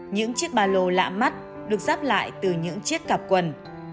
những chiếc bà lô lạ mắt được dắp lại từ những chiếc cặp quần